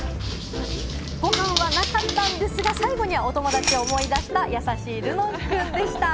ご飯はなかったんですが、最後にお友達を思い出した優しい、るのんくんでした。